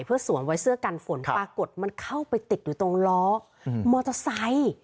เพื่อสวมไว้เสื้อกันฝนปรากฏมันเข้าไปติดอยู่ตรงล้อมอเตอร์ไซค์